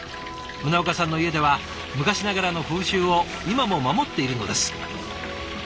宗岡さんの家では昔ながらの風習を今も守っているのです。